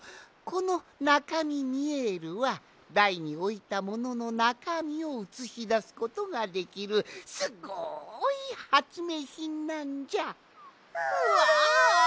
このナカミミエルはだいにおいたもののなかみをうつしだすことができるすごいはつめいひんなんじゃ。わ！